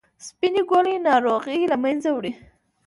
سپینې ګولۍ ناروغي له منځه وړي.